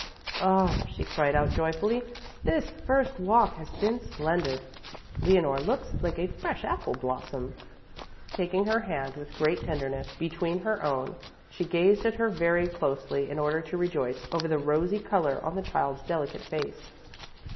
"Oh," she cried out joyfully. "This first walk has been splendid. Leonore looks like a fresh apple blossom." Taking her hand with great tenderness between her own, she gazed at her very closely in order to rejoice over the rosy color on the child's delicate face.